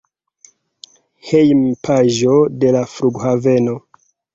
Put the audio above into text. Hejmpaĝo de la flughaveno.